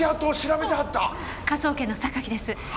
科捜研の榊です。